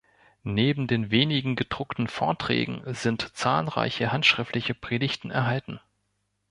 Neben den wenigen gedruckten Vorträgen sind zahlreiche handschriftliche Predigten erhalten.